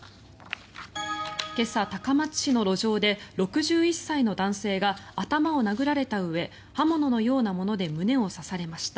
今朝、高松市の路上で６１歳の男性が頭を殴られたうえ刃物のようなもので胸を刺されました。